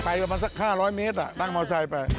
ประมาณสัก๕๐๐เมตรนั่งมอไซค์ไป